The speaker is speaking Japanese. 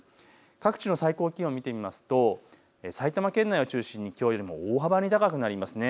各地の最高気温を見てみますと埼玉県内を中心に、きょうよりも大幅に高くなります。